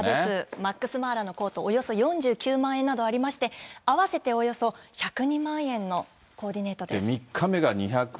マックスマーラのコート、およそ４９万円などありまして、合わせておよそ１０２万円のコーディネートです。